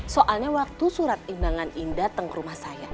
soalnya waktu surat undangan ini datang ke rumah saya